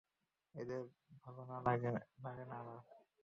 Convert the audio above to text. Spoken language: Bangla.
এদের ভালো লাগে না আমার।